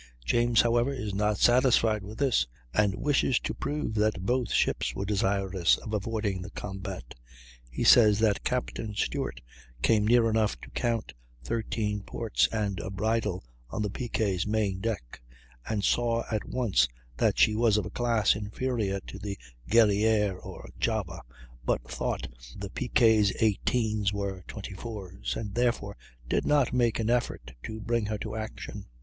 James, however, is not satisfied with this, and wishes to prove that both ships were desirous of avoiding the combat. He says that Capt. Stewart came near enough to count "13 ports and a bridle on the Pique's main deck," and "saw at once that she was of a class inferior to the Guerrière or Java," but "thought the Pique's 18's were 24's, and therefore did not make an effort to bring her to action."